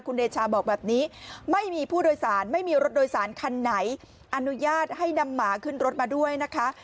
คุณเดชาบอกแบบนี้ไม่มีผู้โดยสารไม่มีรถโดยสารคันไหนอนุญาตให้นำหมาขึ้นรถมาด้วยนะคะ